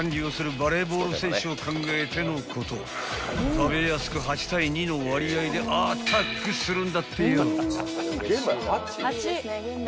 ［食べやすく８対２の割合でアタックするんだってよ］